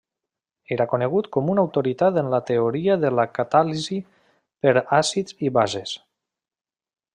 Era conegut com una autoritat en la teoria de la catàlisi per àcids i bases.